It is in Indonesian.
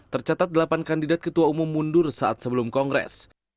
tercatat delapan kandidat ketua umum mundur saat sebelum kongres